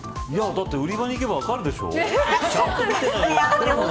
だって売り場に行けば分かるでしょう。